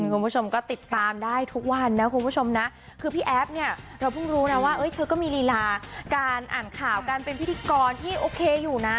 คุณผู้ชมก็ติดตามได้ทุกวันนะคุณผู้ชมนะคือพี่แอฟเนี่ยเราเพิ่งรู้นะว่าเธอก็มีลีลาการอ่านข่าวการเป็นพิธีกรที่โอเคอยู่นะ